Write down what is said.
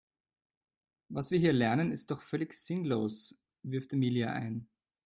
Was wir hier lernen ist doch völlig sinnlos, wirft Emilia ein.